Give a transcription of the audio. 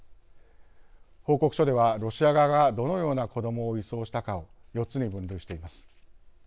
報告書では、ロシア側がどのような子どもを移送したかを４つに分類しています。